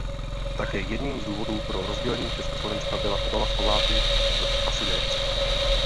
Také jedním z důvodů pro rozdělení Československa byla obava Slováků z asimilace.